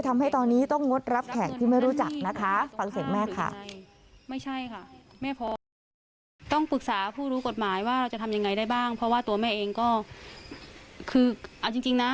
ทำให้ตอนนี้ต้องงดรับแผงที่ไม่รู้จักนะคะ